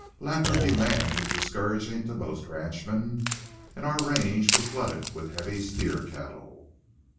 Lack of demand was discouraging to most ranchmen, and our range was glutted with heavy steer cattle.